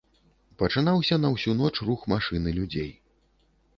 Пачынаўся на ўсю ноч рух машын і людзей.